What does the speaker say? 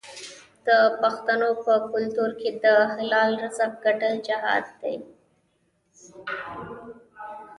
د پښتنو په کلتور کې د حلال رزق ګټل جهاد دی.